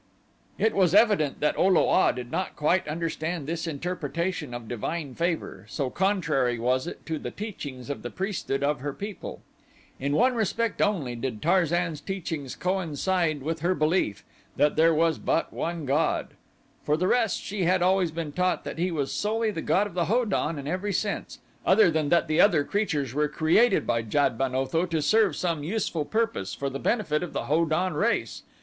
It was evident that O lo a did not quite understand this interpretation of divine favor, so contrary was it to the teachings of the priesthood of her people. In one respect only did Tarzan's teachings coincide with her belief that there was but one god. For the rest she had always been taught that he was solely the god of the Ho don in every sense, other than that other creatures were created by Jad ben Otho to serve some useful purpose for the benefit of the Ho don race.